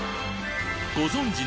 ご存じ